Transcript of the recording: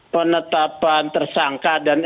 penetapan tersangka dan